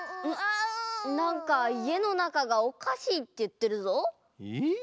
なんかいえのなかがおかしいっていってるぞ。え？